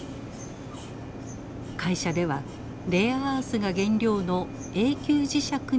会社ではレアアースが原料の永久磁石に着目しました。